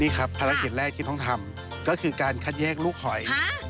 นี่ครับภารกิจแรกที่ต้องทำก็คือการคัดแยกลูกหอย